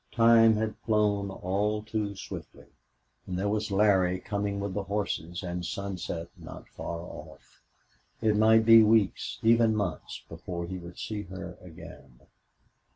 Time had flown all too swiftly, and there was Larry coming with the horses and sunset not far off. It might be weeks, even months, before he would see her again.